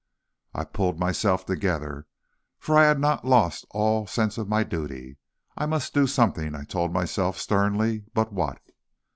I pulled myself together, for I had not lost all sense of my duty. I must do something, I told myself, sternly, but what?